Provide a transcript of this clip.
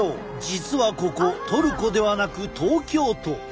実はここトルコではなく東京都。